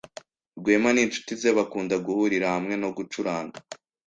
Rwema n'inshuti ze bakunda guhurira hamwe no gucuranga.